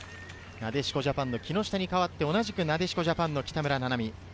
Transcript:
なでしこジャパンの木下に代わって同じくなでしこジャパンの北村菜々美。